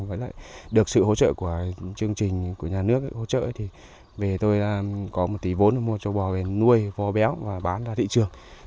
với lại được sự hỗ trợ của chương trình của nhà nước hỗ trợ thì về tôi có một tỷ vốn mua cho bò về nuôi vò béo và bán ra thị trường